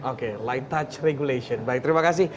oke light touch regulation baik terima kasih